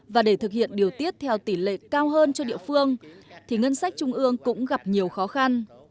và để thực hiện điều tiết theo tỷ lệ cao hơn cho địa phương thì ngân sách trung ương cũng gặp nhiều khó khăn